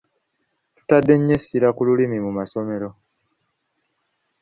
Tutadde ennyo essira ku lulimi mu masomero.